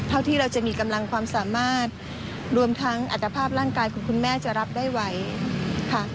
ที่เราจะมีกำลังความสามารถรวมทั้งอัตภาพร่างกายของคุณแม่จะรับได้ไหวค่ะ